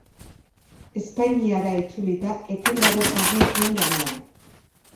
Espainiara itzulita, etengabe jardun zuen lanean.